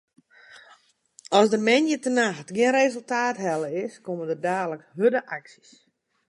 As der moandeitenacht gjin resultaat helle is, komme der daliks hurde aksjes.